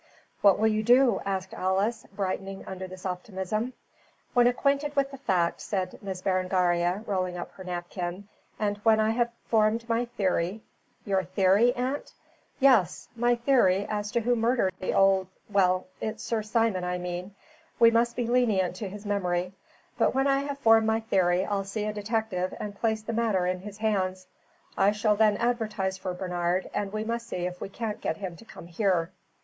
"What will you do?" asked Alice, brightening under this optimism. "When acquainted with the facts," said Miss Berengaria, rolling up her napkin, "and when I have formed my theory " "Your theory, aunt?" "Yes! My theory as to who murdered the old Well, it's Sir Simon I mean we must be lenient to his memory. But when I have formed my theory I'll see a detective and place the matter in his hands. I shall then advertise for Bernard and we must see if we can't get him to come here."